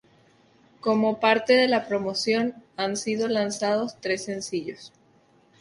Como parte de la promoción, han sido lanzados tres sencillos.